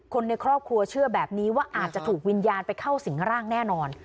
คนในครอบครัวเชื่อแบบนี้ว่าอาจจะถูกวิญญาณไปเข้าสิงร่างแน่นอน